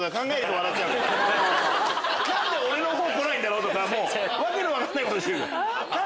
何で俺の方来ないんだろうとか訳の分かんないことしてるから。